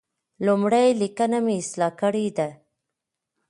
لومړۍ لیکنه مې اصلاح کړې ده.